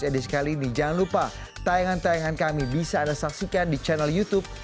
jadi sekali ini jangan lupa tayangan tayangan kami bisa anda saksikan di channel youtube